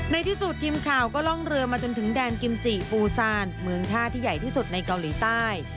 ในที่สุดทีมข่าวก็ล่องเรือมาจนถึงแดนกิมจิปูซานเมืองท่าที่ใหญ่ที่สุดในเกาหลีใต้